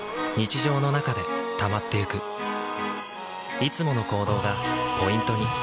いつもの行動がポイントに。